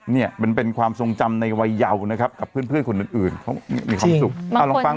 เนี่ยมันเป็นความทรงจำในวัยเยาว์นะครับกับเพื่อนคนอื่นเขามีความสุขเอาลองฟัง